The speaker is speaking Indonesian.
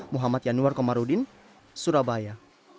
muhammad yanuar komarudin surabaya